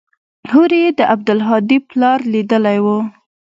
هورې يې د عبدالهادي پلار ليدلى و.